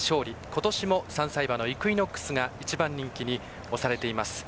今年も３歳馬のイクイノックスが１番人気に推されています。